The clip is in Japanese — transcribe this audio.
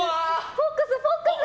フォックス、フォックス！